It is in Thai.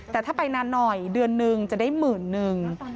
แต่ถ้าไปนานหน่อยเดือนนึงจะได้หมื่นนึง